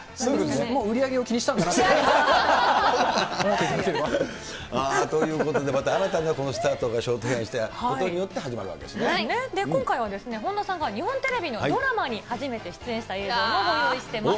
もう売り上げを気にしたんだということで、また新たなスタートがこのショートヘアにしたことによって始まる今回は本田さんが日本テレビのドラマに初めて出演した映像もご用意しています。